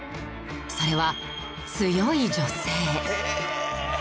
それは強い女性。